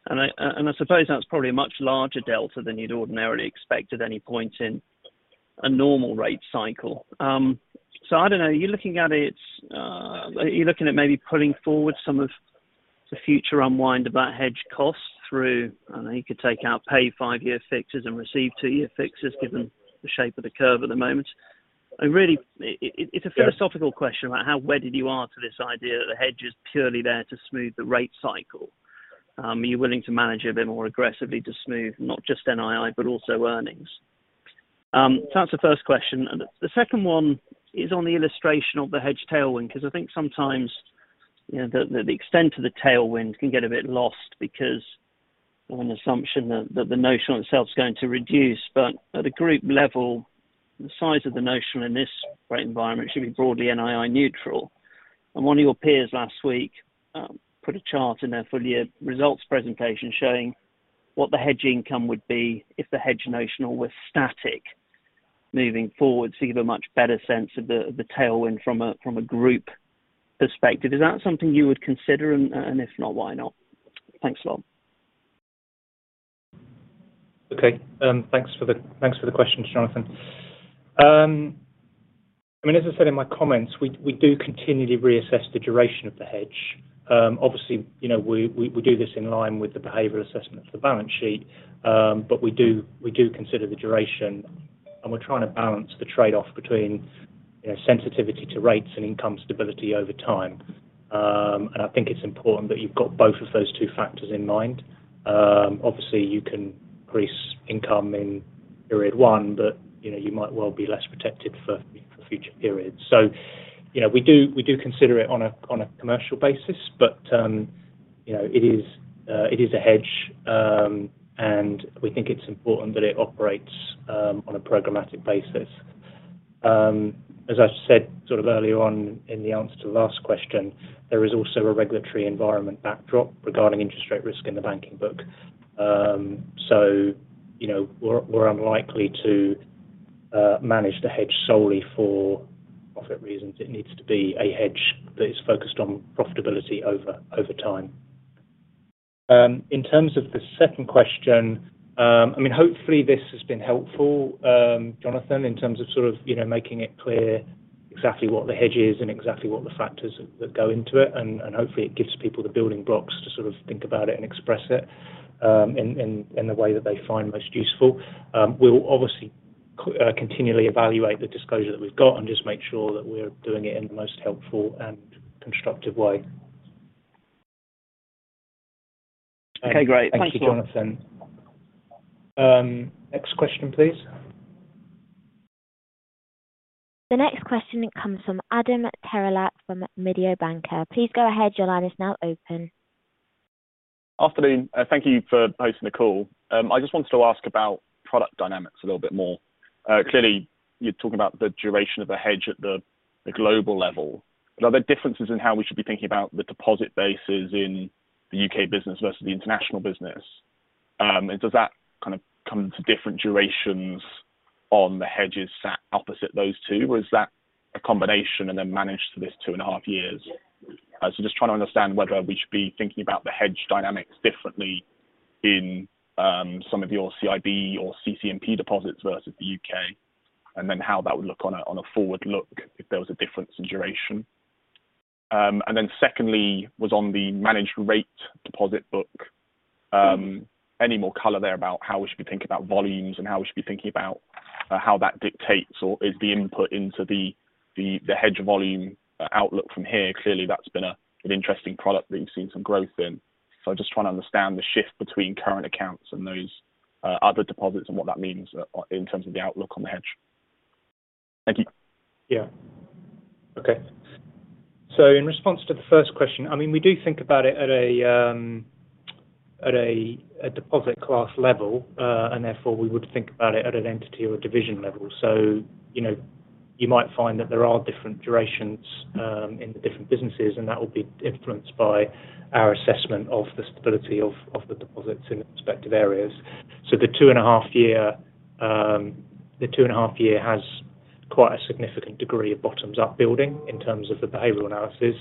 And I suppose that's probably a much larger delta than you'd ordinarily expect at any point in a normal rate cycle. So I don't know, are you looking at it, are you looking at maybe pulling forward some of the future unwind of that hedge cost through... I don't know, you could take out, pay five-year fixes and receive two-year fixes, given the shape of the curve at the moment. And really, it, Yeah. It's a philosophical question about how wedded you are to this idea that the hedge is purely there to smooth the rate cycle. Are you willing to manage it a bit more aggressively to smooth, not just NII, but also earnings? So that's the first question. And the second one is on the illustration of the hedge tailwind, 'cause I think sometimes, you know, the extent of the tailwind can get a bit lost because of an assumption that the notional itself is going to reduce. But at a group level, the size of the notional in this rate environment should be broadly NII neutral. One of your peers last week put a chart in their full year results presentation, showing what the hedge income would be if the hedge notional were static moving forward, to give a much better sense of the tailwind from a group perspective. Is that something you would consider? And if not, why not? Thanks a lot. Okay. Thanks for the questions, Jonathan. I mean, as I said in my comments, we do continually reassess the duration of the hedge. Obviously, you know, we do this in line with the behavioral assessment of the balance sheet, but we do consider the duration, and we're trying to balance the trade-off between, you know, sensitivity to rates and income stability over time. And I think it's important that you've got both of those two factors in mind. Obviously, you can increase income in period one, but, you know, you might well be less protected for future periods. So, you know, we do, we do consider it on a, on a commercial basis, but, you know, it is, it is a hedge, and we think it's important that it operates, on a programmatic basis. As I've said, sort of earlier on in the answer to the last question, there is also a regulatory environment backdrop regarding Interest Rate Risk in the banking book. So, you know, we're, we're unlikely to, manage the hedge solely for profit reasons. It needs to be a hedge that is focused on profitability over, over time. In terms of the second question, I mean, hopefully, this has been helpful, Jonathan, in terms of sort of, you know, making it clear exactly what the hedge is and exactly what the factors that go into it, and hopefully, it gives people the building blocks to sort of think about it and express it, in the way that they find most useful. We'll obviously continually evaluate the disclosure that we've got and just make sure that we're doing it in the most helpful and constructive way. Okay, great. Thanks a lot. Thank you, Jonathan. Next question, please. The next question comes from Adam Terelak, from Mediobanca. Please go ahead. Your line is now open. Afternoon. Thank you for hosting the call. I just wanted to ask about product dynamics a little bit more. Clearly, you're talking about the duration of the hedge at the, the global level. Are there differences in how we should be thinking about the deposit bases in the U.K. business versus the international business? And does that kind of come to different durations on the hedges sat opposite those two, or is that a combination and then managed to this 2.5 years? So just trying to understand whether we should be thinking about the hedge dynamics differently in, some of your CIB or CC&P deposits versus the U.K., and then how that would look on a, on a forward look if there was a difference in duration. And then secondly, was on the managed rate deposit book. Any more color there about how we should be thinking about volumes and how we should be thinking about how that dictates or is the input into the hedge volume outlook from here? Clearly, that's been an interesting product that you've seen some growth in. So I just want to understand the shift between current accounts and those other deposits and what that means in terms of the outlook on the hedge. Thank you. Yeah. Okay. So in response to the first question, I mean, we do think about it at a deposit class level, and therefore, we would think about it at an entity or division level. So, you know, you might find that there are different durations in the different businesses, and that will be influenced by our assessment of the stability of the deposits in the respective areas. So the 2.5-year has quite a significant degree of bottoms-up building in terms of the behavioral analysis.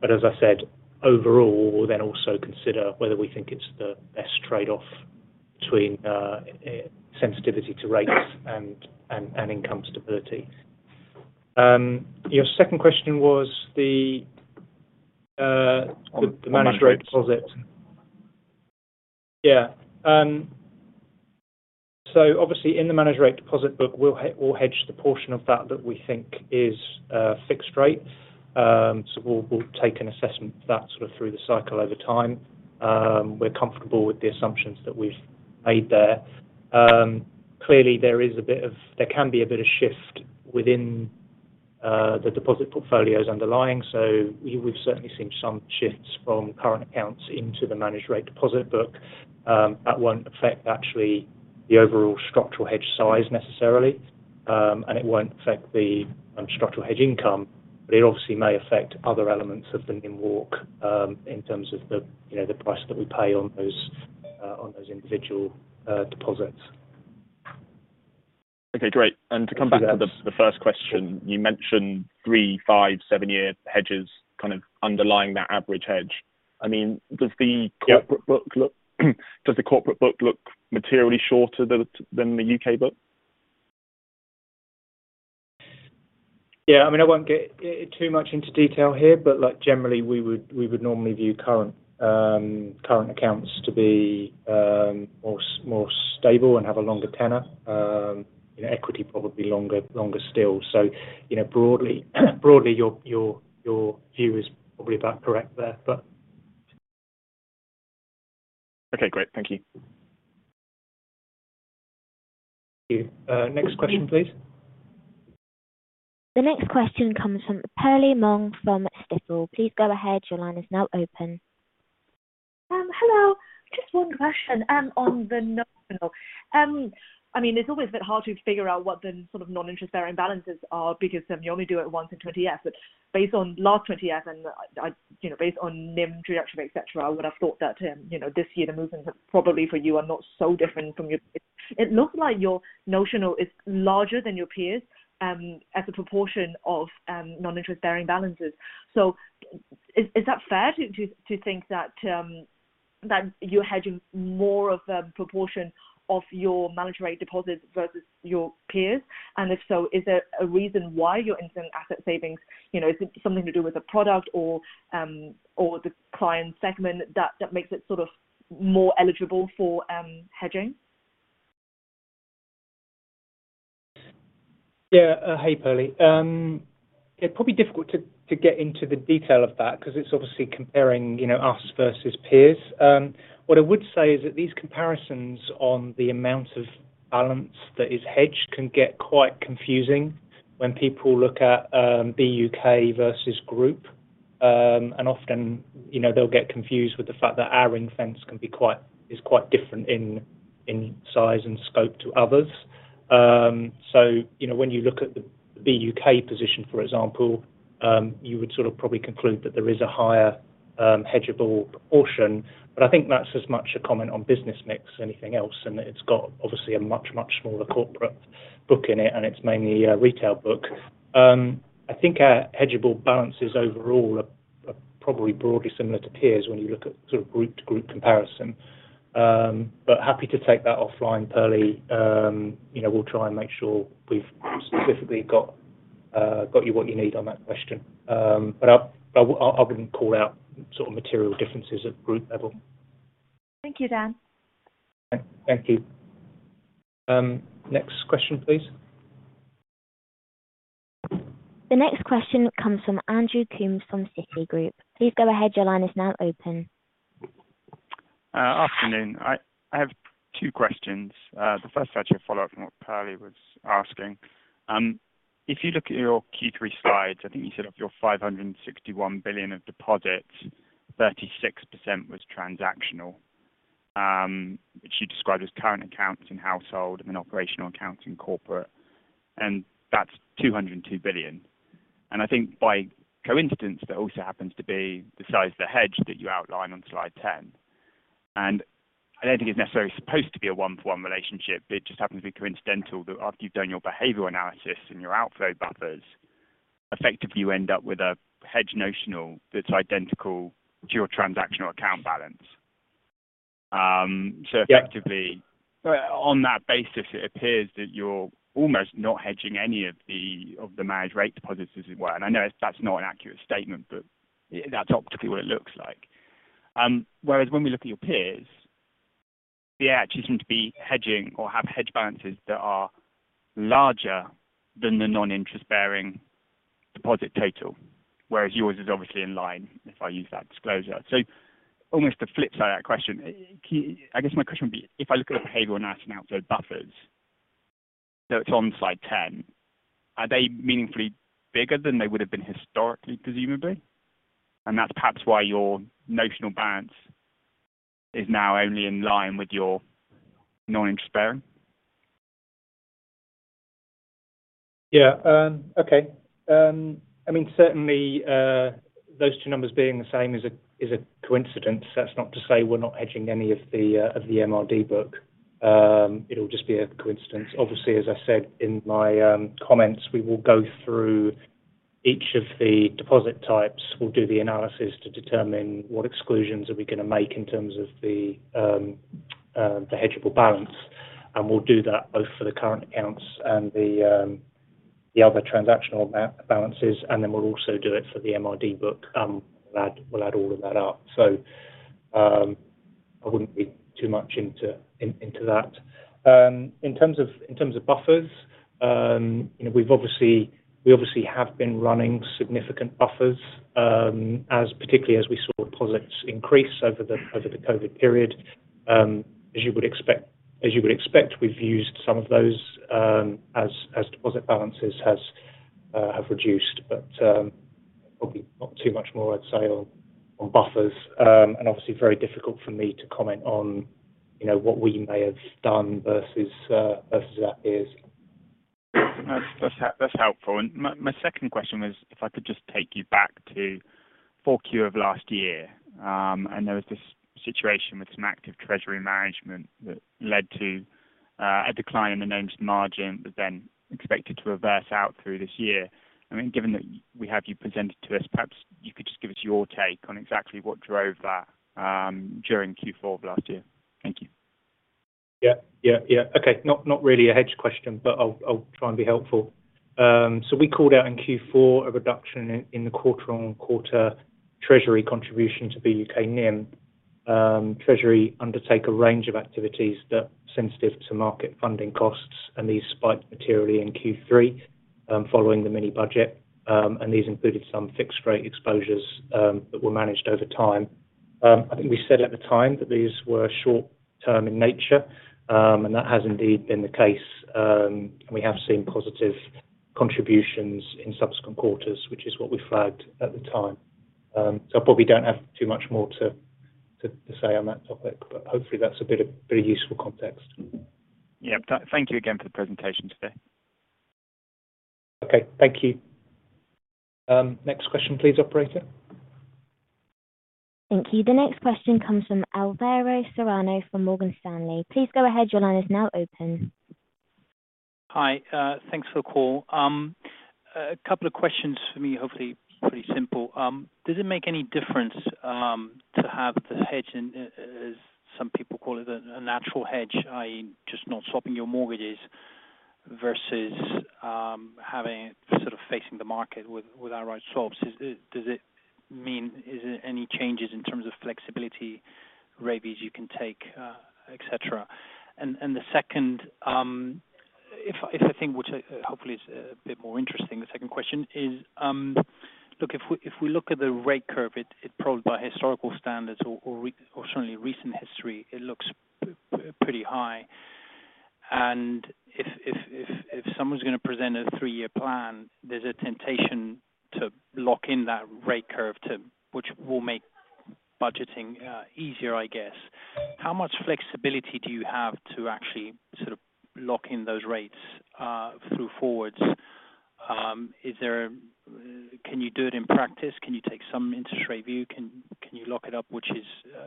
But as I said, overall, we'll then also consider whether we think it's the best trade-off between sensitivity to rates and income stability. Your second question was the managed rate deposit. Yeah. So obviously in the managed rate deposit book, we'll hedge the portion of that that we think is fixed rate. So we'll take an assessment of that sort of through the cycle over time. We're comfortable with the assumptions that we've made there. Clearly, there is a bit of... There can be a bit of shift within the deposit portfolio's underlying. So we've certainly seen some shifts from current accounts into the managed rate deposit book. That won't affect actually the overall structural hedge size necessarily, and it won't affect the structural hedge income, but it obviously may affect other elements of the NIM walk, in terms of the, you know, the price that we pay on those, on those individual deposits. Okay, great. To come back to the first question, you mentioned 3-, 5-, 7-year hedges kind of underlying that average hedge. I mean, does the- Yeah. Does the corporate book look materially shorter than the U.K. book? Yeah. I mean, I won't get too much into detail here, but, like, generally, we would normally view current accounts to be more stable and have a longer tenor, and equity probably longer still. So, you know, broadly, your view is probably about correct there, but. Okay, great. Thank you. Thank you. Next question, please. The next question comes from Perlie Mong from Stifel. Please go ahead. Your line is now open. Hello. Just one question on the note. I mean, it's always a bit hard to figure out what the sort of non-interest bearing balances are, because you only do it once in 20-F. But based on last 20-F and I, you know, based on NIM reduction, et cetera, I would have thought that, you know, this year the movements are probably for you are not so different from your... It looks like your notional is larger than your peers, as a proportion of non-interest bearing balances. So is that fair to think that that you're hedging more of the proportion of your managed rate deposits versus your peers? And if so, is there a reason why you're entering asset savings? You know, is it something to do with the product or the client segment that makes it sort of more eligible for hedging? Yeah. Hey, Perlie. It's probably difficult to get into the detail of that because it's obviously comparing, you know, us versus peers. What I would say is that these comparisons on the amount of balance that is hedged can get quite confusing when people look at the U.K. versus Group. And often, you know, they'll get confused with the fact that our ring-fence can be quite, is quite different in size and scope to others. So, you know, when you look at the U.K. position, for example, you would sort of probably conclude that there is a higher hedgeable proportion. But I think that's as much a comment on business mix, anything else, and it's got obviously a much, much smaller corporate book in it, and it's mainly a retail book. I think our hedgeable balances overall are probably broadly similar to peers when you look at sort of group to group comparison. But happy to take that offline, Perlie. You know, we'll try and make sure we've specifically got you what you need on that question. But I wouldn't call out sort of material differences at group level. Thank you, Dan. Thank you. Next question, please. The next question comes from Andrew Coombs from Citigroup. Please go ahead. Your line is now open. Afternoon. I have two questions. The first actually a follow-up from what Perlie was asking. If you look at your Q3 slides, I think you said of your 561 billion of deposits, 36% was transactional, which you described as current accounts in household and then operational accounts in corporate, and that's 202 billion. I think by coincidence, that also happens to be the size of the hedge that you outline on slide 10. I don't think it's necessarily supposed to be a one-for-one relationship, it just happens to be coincidental that after you've done your behavioral analysis and your outflow buffers, effectively, you end up with a hedge notional that's identical to your transactional account balance. So effectively- Yeah. On that basis, it appears that you're almost not hedging any of the, of the managed rate deposits as it were. And I know that's not an accurate statement, but that's optically what it looks like. Whereas when we look at your peers, they actually seem to be hedging or have hedge balances that are larger than the non-interest bearing deposit total, whereas yours is obviously in line, if I use that disclosure. So almost the flip side of that question, I guess my question would be, if I look at the behavioral analysis and outflow buffers, so it's on slide 10, are they meaningfully bigger than they would have been historically, presumably? And that's perhaps why your notional balance is now only in line with your non-interest bearing. Yeah. Okay. I mean, certainly, those two numbers being the same is a coincidence. That's not to say we're not hedging any of the MRD book. It'll just be a coincidence. Obviously, as I said in my comments, we will go through each of the deposit types. We'll do the analysis to determine what exclusions are we gonna make in terms of the hedgeable balance. And we'll do that both for the current accounts and the other transactional balances, and then we'll also do it for the MRD book. We'll add all of that up. So, I wouldn't read too much into that. In terms of, in terms of buffers, you know, we've obviously, we obviously have been running significant buffers, as particularly as we saw deposits increase over the, over the COVID period. As you would expect, as you would expect, we've used some of those, as, as deposit balances has, have reduced, but, probably not too much more I'd say on, on buffers. And obviously very difficult for me to comment on, you know, what we may have done versus, versus that is. That's helpful. And my second question was, if I could just take you back to Q4 of last year. And there was this situation with some active treasury management that led to a decline in the NIM, but then expected to reverse out through this year. I mean, given that we have you presented to us, perhaps you could just give us your take on exactly what drove that during Q4 of last year. Thank you. Yeah. Yeah, yeah. Okay. Not really a hedge question, but I'll try and be helpful. So we called out in Q4 a reduction in the quarter-on-quarter treasury contribution to the U.K. NIM. Treasury undertakes a range of activities that are sensitive to market funding costs, and these spiked materially in Q3 following the Mini Budget. And these included some fixed rate exposures that were managed over time. I think we said at the time that these were short term in nature, and that has indeed been the case. And we have seen positive contributions in subsequent quarters, which is what we flagged at the time. So I probably don't have too much more to say on that topic, but hopefully that's a bit of pretty useful context. Yeah. Thank you again for the presentation today. Okay, thank you. Next question, please, operator. Thank you. The next question comes from Alvaro Serrano from Morgan Stanley. Please go ahead. Your line is now open. Hi, thanks for the call. A couple of questions for me, hopefully pretty simple. Does it make any difference to have the hedge, and as some people call it, a natural hedge, i.e., just not swapping your mortgages, versus having sort of facing the market with outright swaps? Is it... Does it mean, is there any changes in terms of flexibility rate you can take, et cetera? And the second, if the thing which hopefully is a bit more interesting, the second question is, look, if we look at the rate curve, it probably by historical standards or certainly recent history, it looks pretty high. And if someone's gonna present a three-year plan, there's a temptation to lock in that rate curve to... which will make budgeting easier, I guess. How much flexibility do you have to actually sort of lock in those rates through forwards? Can you do it in practice? Can you take some interest rate view? Can you lock it up, which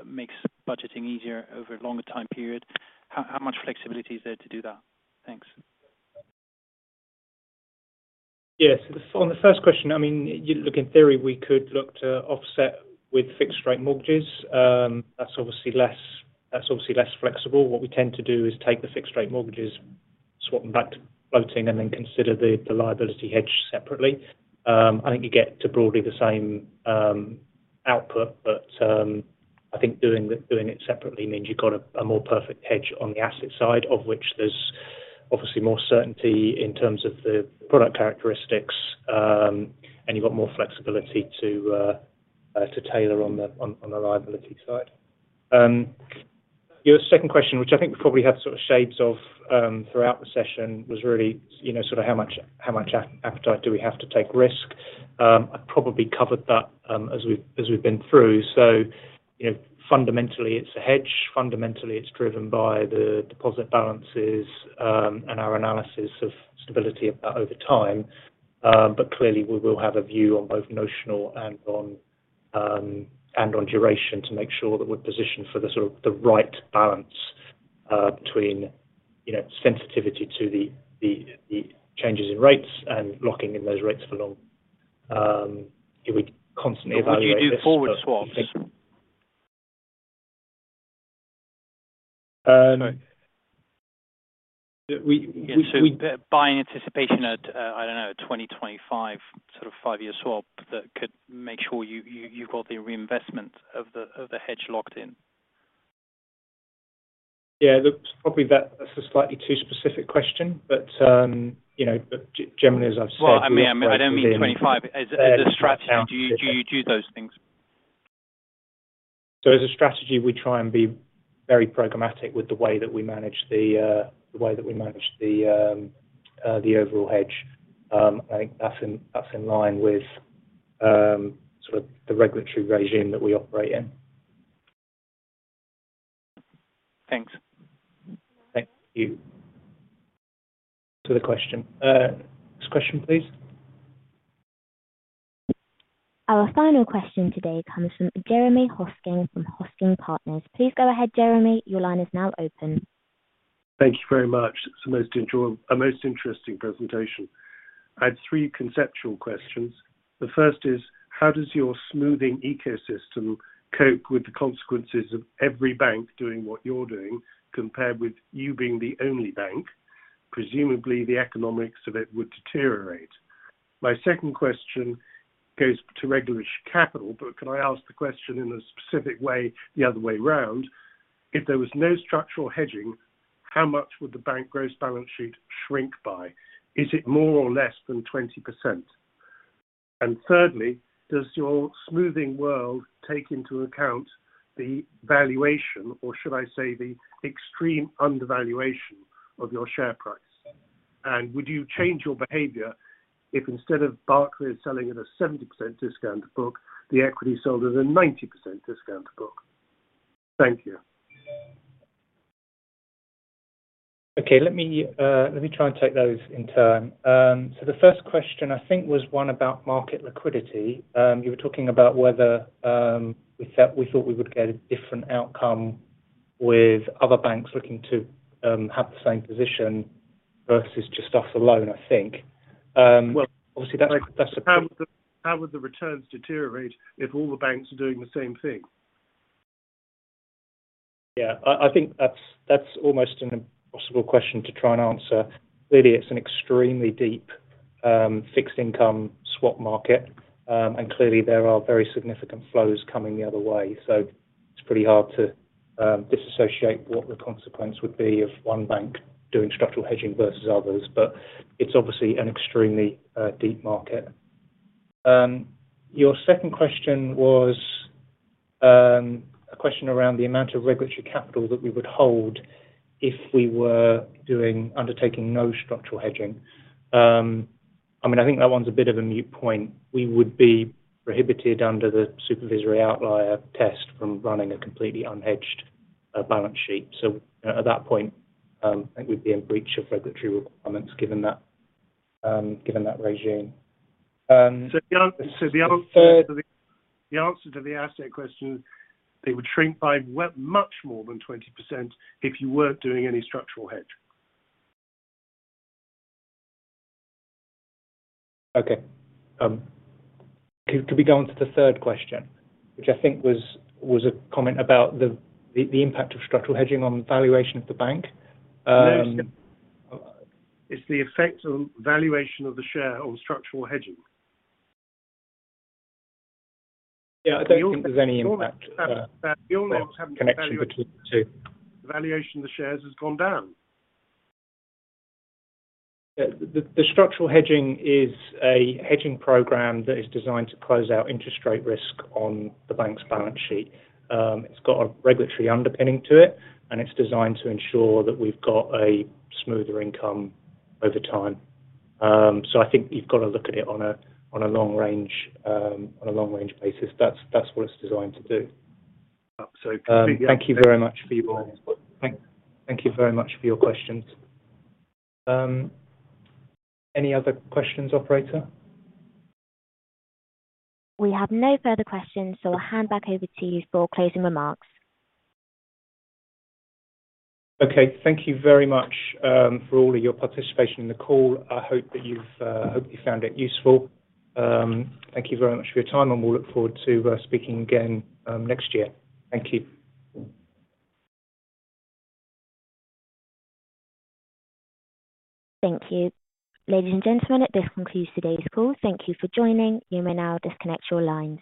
makes budgeting easier over a longer time period? How much flexibility is there to do that? Thanks. Yes. On the first question, I mean, you look, in theory, we could look to offset with fixed rate mortgages. That's obviously less, that's obviously less flexible. What we tend to do is take the fixed rate mortgages, swap them back to floating, and then consider the, the liability hedge separately. I think you get to broadly the same, output, but, I think doing it, doing it separately means you've got a, a more perfect hedge on the asset side, of which there's obviously more certainty in terms of the product characteristics, and you've got more flexibility to, to tailor on the, on, on the liability side. Your second question, which I think we probably had sort of shapes of, throughout the session, was really, you know, sort of how much, how much appetite do we have to take risk? I probably covered that, as we've been through. So, you know, fundamentally, it's a hedge. Fundamentally, it's driven by the deposit balances, and our analysis of stability of that over time. But clearly, we will have a view on both notional and on duration, to make sure that we're positioned for the sort of right balance between, you know, sensitivity to the changes in rates and locking in those rates for long. We constantly evaluate this. Do you do forward swaps? We- By anticipation at, I don't know, 2025, sort of 5-year swap, that could make sure you've got the reinvestment of the hedge locked in. Yeah, look, probably that is a slightly too specific question, but, you know, but generally, as I've said- Well, I mean, I don't, I don't mean 25. As, as a strategy, do you, do you do those things? So as a strategy, we try and be very programmatic with the way that we manage the overall hedge. I think that's in line with sort of the regulatory regime that we operate in. Thanks. Thank you. To the question. Next question, please. Our final question today comes from Jeremy Hosking from Hosking Partners. Please go ahead, Jeremy. Your line is now open. Thank you very much. It's a most interesting presentation. I had three conceptual questions. The first is: how does your smoothing ecosystem cope with the consequences of every bank doing what you're doing compared with you being the only bank? Presumably, the economics of it would deteriorate. My second question goes to regulatory capital, but can I ask the question in a specific way, the other way around? If there was no structural hedging, how much would the bank gross balance sheet shrink by? Is it more or less than 20%? And thirdly, does your smoothing world take into account the valuation, or should I say, the extreme undervaluation of your share price? And would you change your behavior if, instead of Barclays selling at a 70% discount to book, the equity sold at a 90% discount to book? Thank you. Okay, let me, let me try and take those in turn. So the first question, I think, was one about market liquidity. You were talking about whether we felt we thought we would get a different outcome with other banks looking to have the same position versus just us alone, I think. Well, obviously, that's, that's- How would the returns deteriorate if all the banks are doing the same thing? Yeah, I think that's almost an impossible question to try and answer. Clearly, it's an extremely deep fixed income swap market. And clearly there are very significant flows coming the other way. So it's pretty hard to disassociate what the consequence would be of one bank doing structural hedging versus others, but it's obviously an extremely deep market. Your second question was a question around the amount of regulatory capital that we would hold if we were undertaking no structural hedging. I mean, I think that one's a bit of a moot point. We would be prohibited under the Supervisory Outlier Test from running a completely unhedged balance sheet. So at that point, I think we'd be in breach of regulatory requirements, given that regime. So the answer to the asset question, they would shrink by way much more than 20% if you weren't doing any structural hedging. Okay. Could we go on to the third question, which I think was a comment about the impact of structural hedging on valuation of the bank? No. It's the effect on valuation of the share on structural hedging. Yeah, I don't think there's any impact, connection between the two. Valuation of the shares has gone down. The structural hedging is a hedging program that is designed to close out interest rate risk on the bank's balance sheet. It's got a regulatory underpinning to it, and it's designed to ensure that we've got a smoother income over time. So I think you've got to look at it on a long range basis. That's what it's designed to do. So- Thank you very much for your questions. Any other questions, operator? We have no further questions, so I'll hand back over to you for closing remarks. Okay. Thank you very much for all of your participation in the call. I hope that you've, I hope you found it useful. Thank you very much for your time, and we'll look forward to speaking again next year. Thank you. Thank you. Ladies and gentlemen, this concludes today's call. Thank you for joining. You may now disconnect your lines.